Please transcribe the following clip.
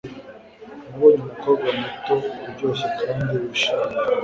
Nabonye umukobwa muto uryoshye kandi wishimye.